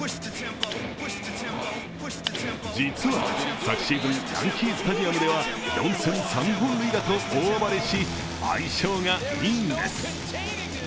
実は昨シーズン、ヤンキースタジアムでは４戦３本塁打と大暴れし、相性がいいんです。